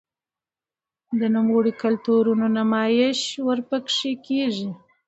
د نورو کلتورونو نمائش ورپکښې کـــــــــــــــــېږي